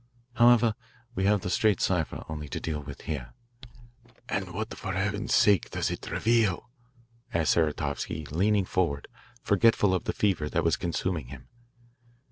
However, we have the straight cipher only to deal with here." "And what for Heaven's sake does it reveal?" asked Saratovsky, leaning forward, forgetful of the fever that was consuming him.